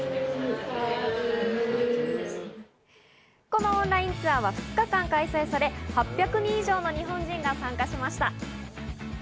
このオンラインツアーは２日間開催され、８００人以上の日本人が参加しました。